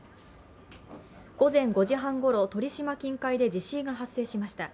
午前５時半ごろ、鳥島近海で地震が発生しました。